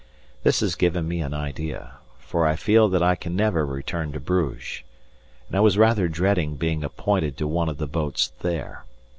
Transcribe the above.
This has given me an idea, for I feel that I can never return to Bruges, and I was rather dreading being appointed to one of the boats there.